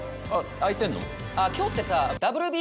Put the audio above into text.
空いてんの？